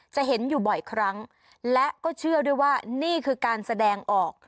จะเห็นอยู่บ่อยครั้งและก็เชื่อด้วยว่านี่คือการแสดงออก